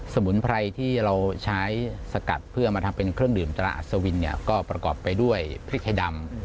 มุนไพรที่เราใช้สกัดเพื่อมาทำเป็นเครื่องดื่มตราอัศวินเนี่ยก็ประกอบไปด้วยพริกไทยดำ